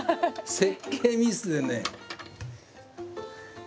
設計ミスでね。